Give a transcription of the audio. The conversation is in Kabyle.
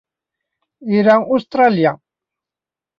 Ira Ustṛalya.